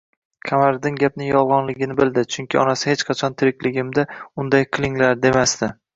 Qamariddin gapning yolg‘onligini bildi, chunki onasi hech qachon tirikligimda unday qilinglar, demasdi